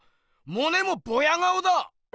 モネもボヤ顔だ！